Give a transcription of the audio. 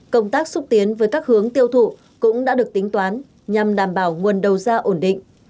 công tác xúc tiến với các hướng tiêu thụ cũng đã được tính toán nhằm đảm bảo nguồn đầu ra ổn định